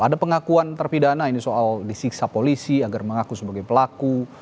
ada pengakuan terpidana ini soal disiksa polisi agar mengaku sebagai pelaku